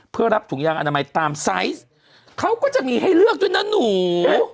เพื่อรับถุงยางอนามัยตามไซส์เขาก็จะมีให้เลือกด้วยนะหนู